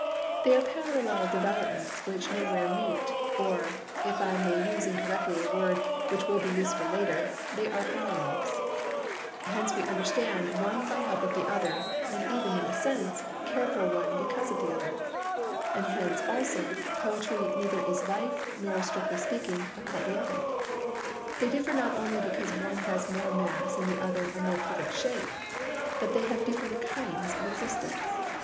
They are parallel developments which nowhere meet, or, if I may use incorrectly a word which will be useful later, they are analogues. Hence we understand one by help of the other, and even, in a sense, care for one because of the other; but hence also, poetry neither is life, nor,[Pg 10] strictly speaking, a copy of it. They differ not only because one has more mass and the other a more perfect shape; but they have different kinds of existence.